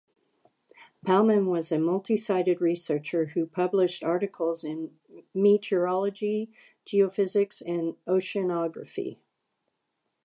Palmen was a multisided researcher who published articles in meteorology, geophysics and oceanography.